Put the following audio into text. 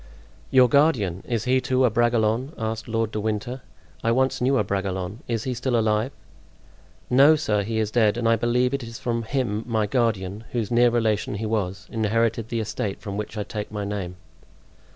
"Your guardian! is he, too, a Bragelonne?" asked Lord de Winter. "I once knew a Bragelonne—is he still alive?" "No, sir, he is dead; and I believe it is from him my guardian, whose near relation he was, inherited the estate from which I take my name."